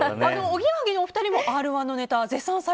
おぎやはぎのお二人も「Ｒ‐１」のネタ